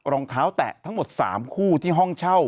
รองเท้าแตะทั้งหมด๓คู่ที่ห้องเช่า